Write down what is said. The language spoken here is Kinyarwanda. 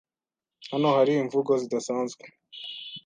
Hano hari imvugo zidasanzwe.